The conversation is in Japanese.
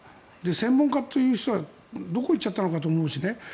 専門家という人はどこに行っちゃったのかと思うしね。